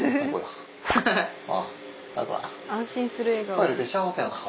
トイレって幸せやなぁ。